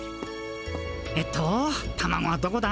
えっとタマゴはどこだ？